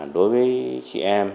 đối với chị em